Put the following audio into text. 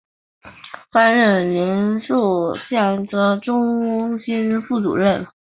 担任临沭县农业局农经中心副主任。